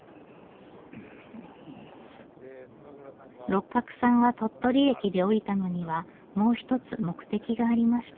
六角さんが鳥取駅で降りたのにはもう一つ目的がありました。